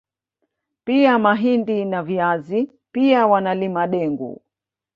Pia mahindi na viazi pia wanalima dengu